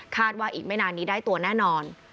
ว่าอีกไม่นานนี้ได้ตัวแน่นอน